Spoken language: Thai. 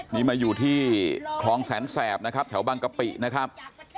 นี่มาอยู่ที่คลองแสนแสบนะครับแถวบางกะปินะครับ